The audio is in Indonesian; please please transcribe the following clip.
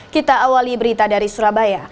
kita awali berita dari surabaya